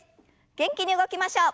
元気に動きましょう。